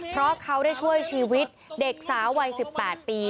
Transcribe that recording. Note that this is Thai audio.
เพราะเขาได้ช่วยชีวิตเด็กสาววัย๑๘ปี